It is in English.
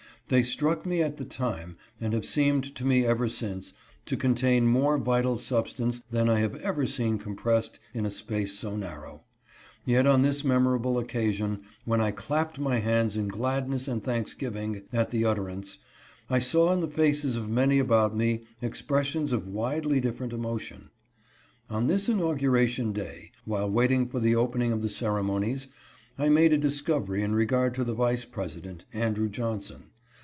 They struck me at the time, and have seemed to me ever since to contain more vital substance than I have ever seen compressed in a space so narrow ; yet on this memorable occasion, when I clapped my hands in gladness and thanksgiving at their utterance, I saw in the faces of many about me expressions of widely different emotion. On this inauguration day, while waiting for the opening of the ceremonies, I made a discovery in regard to the Vice President, Andrew Johnson.